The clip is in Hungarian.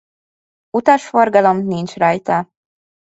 Utasforgalom nincs rajta.